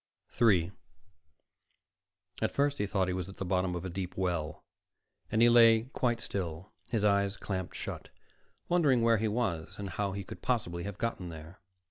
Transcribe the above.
3 At first he thought he was at the bottom of a deep well and he lay quite still, his eyes clamped shut, wondering where he was and how he could possibly have gotten there.